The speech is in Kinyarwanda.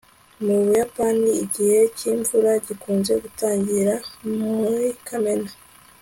mu buyapani, igihe cyimvura gikunze gutangira muri kamena